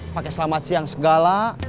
pakai selamat siang segala